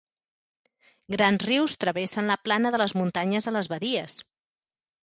Grans rius travessen la plana de les muntanyes a les badies.